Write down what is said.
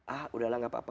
ah udahlah gak apa apa